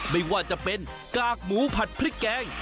ไม่ว่าจะเป็นกากหมูผัดพริกแกง